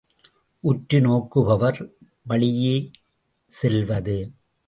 உற்றுநோக்குபவர் வழியே செல்வது.